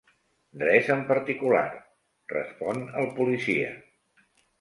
"Res en particular", respon el policia.